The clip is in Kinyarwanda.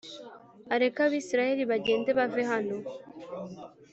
areke Abisirayeli bagende bave hano